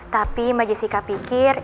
tapi mbak jessica pikir